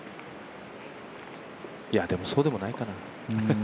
でも、そうでもないかな。